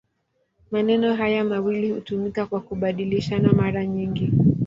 Maneno haya mawili hutumika kwa kubadilishana mara nyingi.